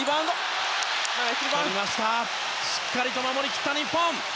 しっかり守り切った日本。